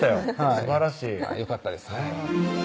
すばらしいよかったです